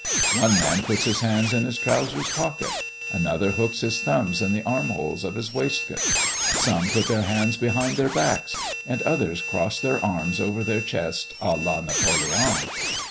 One man puts his hands in his trousers' pockets; another hooks his thumbs in the arm holes of his waistcoat; some put their hands behind their backs; and others cross their arms over their chests à la Napoléon.